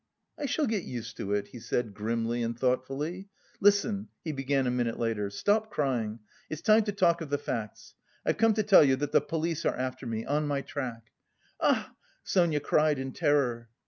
"I shall get used to it," he said grimly and thoughtfully. "Listen," he began a minute later, "stop crying, it's time to talk of the facts: I've come to tell you that the police are after me, on my track...." "Ach!" Sonia cried in terror.